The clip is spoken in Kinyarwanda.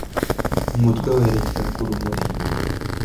umutwe werekera ku rumuri